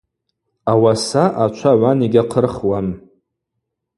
Ауаса ачва гӏван йгьахъырхуам.